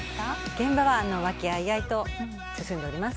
現場は和気あいあいと進んでおります。